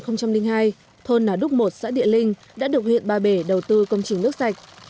năm hai nghìn hai thôn nà đúc một xã địa linh đã được huyện ba bể đầu tư công trình nước sạch